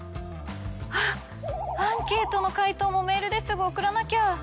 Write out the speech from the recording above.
あっアンケートの回答もメールですぐ送らなきゃ！